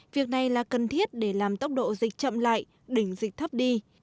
việc này là cần thiết để làm tốc độ dịch chậm lại đỉnh dịch thấp đi